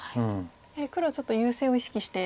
やはり黒はちょっと優勢を意識して。